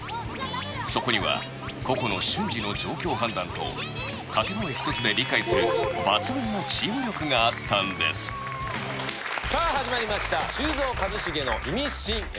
そこには個々の瞬時の状況判断と掛け声１つで理解する抜群のチーム力があったんですさあ、始まりました『修造＆一茂のイミシン』。